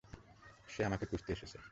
সে আমাকে খুঁজতে এসেছে।